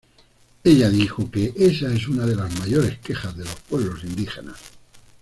Ella dijo que "esa es una de las mayores quejas de los pueblos indígenas.